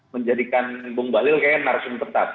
menjadikan bum bahlil kayaknya narsum tetap